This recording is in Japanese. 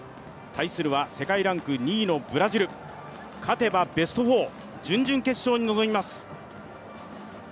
対するは世界ランク２位のブラジル勝てばベスト４、準々決勝に臨みます。